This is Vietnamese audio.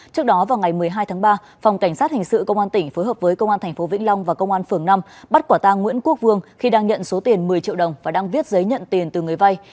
trước đó vào ngày một mươi hai tháng ba phòng cảnh sát hình sự công an tỉnh phối hợp với công an tp vĩnh long và công an phường năm bắt quả tang nguyễn quốc vương khi đang nhận số tiền một mươi triệu đồng và đang viết giấy nhận tiền từ người vay